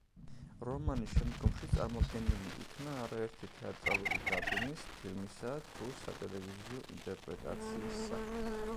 რომანი შემდგომში წარმოდგენილი იქნა არაერთი თეატრალური დადგმის, ფილმისა თუ სატელევიზიო ინტერპრეტაციის სახით.